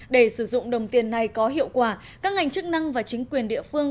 để sử dụng đồng tiền này có hiệu quả các ngành chức năng và chính quyền địa phương